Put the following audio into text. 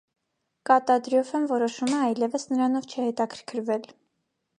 Կատադրոյֆեն որոշում է այլևս նրանով չհետաքրքրվել։